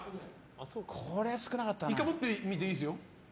１回持ってみていいですよ。